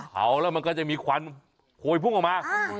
เผาแล้วมันก็จะมีควันโพยพุ่งออกมา